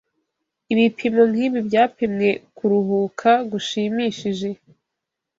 Ibipimo nkibi byapimwe kuruhuka gushimishije